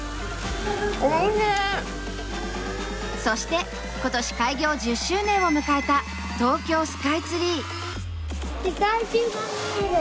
そして今年開業１０周年を迎えた東京スカイツリー。